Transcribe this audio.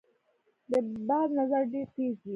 د باز نظر ډیر تېز وي